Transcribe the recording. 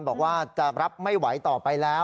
บอกว่าจะรับไม่ไหวต่อไปแล้ว